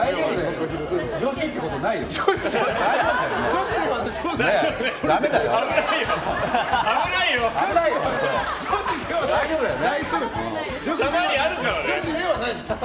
女子ってことないよね？